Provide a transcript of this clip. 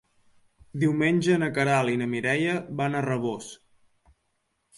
Diumenge na Queralt i na Mireia van a Rabós.